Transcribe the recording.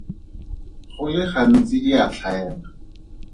Go le gantsi e a tlhaela.